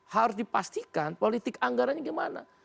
harus dipastikan politik anggarannya gimana